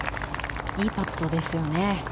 いいパットですよね。